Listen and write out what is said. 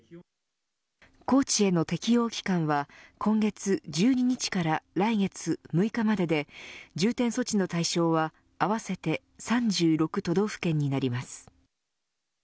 高知への適用期間は今月１２日から来月６日までで重点措置の対象は合わせて３６都道府県になります。